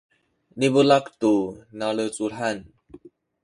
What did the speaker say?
limulak tu nalecuhan